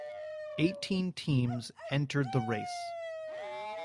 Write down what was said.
Eighteen teams entered the race.